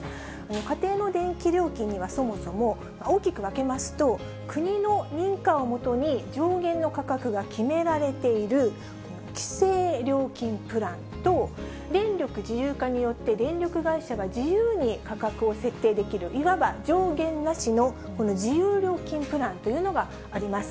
家庭の電気料金には、そもそも大きく分けますと、国の認可をもとに、上限の価格が決められている規制料金プランと、電力自由化によって電力会社が自由に価格を設定できる、いわば上限なしのこの自由料金プランというのがあります。